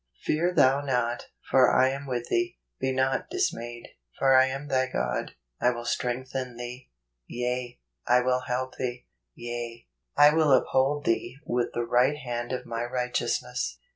" Fear thou not; for I am tcith thee: be not dis¬ mayed ; for I am thy God: T will strengthen thee; yea, I icill help thee ; yea, I will uphold thee with the right hand of my righteousness